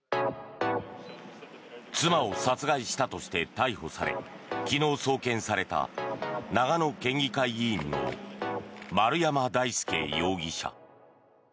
妻を殺害したとして逮捕され昨日、送検された長野県議会議員の丸山大輔容疑者。